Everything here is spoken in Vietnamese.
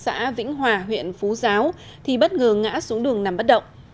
khi đi đến đoạn thuộc xã vĩnh hòa huyện phú giáo thì bất ngờ ngã xuống đường nằm bất động